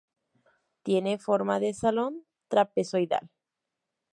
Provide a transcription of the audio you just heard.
Tiene forma de salón trapezoidal.